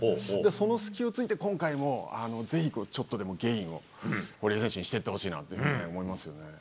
その隙をついて今回もぜひ、ちょっとでもゲインを堀江選手にしていってほしいなと思いますね。